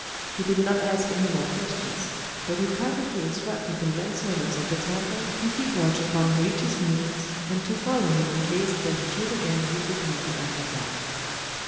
He did not ask any more questions; but he privately instructed the men servants of the temple to keep watch upon Hōïchi's movements, and to follow him in case that he should again leave the temple after dark.